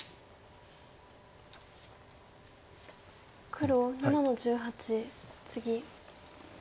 黒７の十八ツギ。